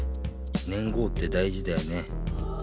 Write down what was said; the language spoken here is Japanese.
年号ってだいじだよね。